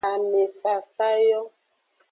Ame fafa yo.